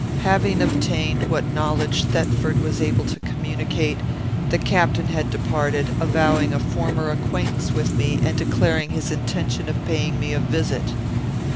Having obtained what knowledge Thetford was able to communicate, the captain had departed, avowing a former acquaintance with me, and declaring his intention of paying me a visit.